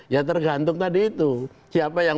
ya tergantung tadi itu siapa yang